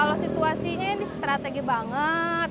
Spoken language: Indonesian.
kalau situasinya ini strategi banget